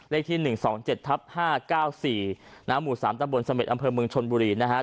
เลขที่๑๒๗๕๙๔หมู่๓ตำบลสำเร็จอำเภอเมืองชุนบุรีนะฮะ